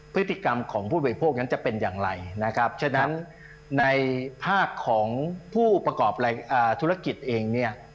พฤติกรรมของผู้บริโภคนั้นจะเป็นอย่างไรนะครับฉะนั้นในภาคของผู้ประกอบธุรกิจเองเนี่ย